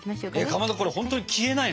かまどこれほんとに消えないの？